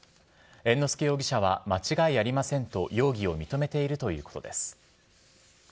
猿之助容疑者は間違いありませんと容疑を認めているということです。